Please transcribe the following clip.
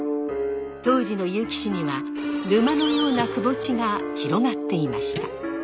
当時の結城市には沼のようなくぼ地が広がっていました。